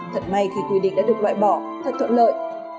thật may khi quy định đã được loại bỏ thật thuận lợi